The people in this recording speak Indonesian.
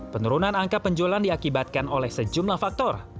penurunan angka penjualan diakibatkan oleh sejumlah faktor